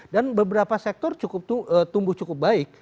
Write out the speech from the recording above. dan beberapa sektor tumbuh cukup baik